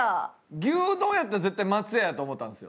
牛丼やったら絶対松屋やと思ったんですよ。